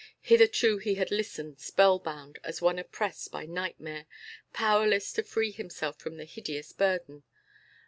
Hitherto he had listened spell bound, as one oppressed by nightmare, powerless to free himself from the hideous burden.